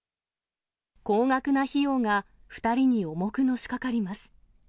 高額な費用が２人に重くのしかかります。